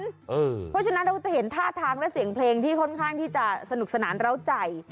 เพราะฉะนั้นเราจะเห็นท่าทางและเสียงเพลงที่ค่อนข้างที่จะสนุกสนานเล้าใจ